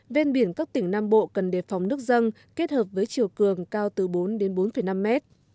vên biển các tỉnh nam bộ cần đề phóng nước dân kết hợp với chiều cường cao từ bốn đến bốn năm mét